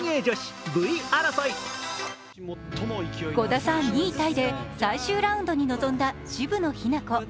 ５打差を２位タイで最終ラウンドに臨んだ渋野日向子。